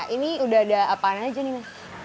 ini udah ada apaan aja nih